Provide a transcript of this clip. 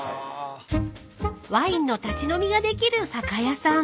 ［ワインの立ち飲みができる酒屋さん］